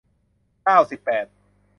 เก้าสิบแปด